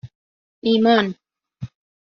ایمان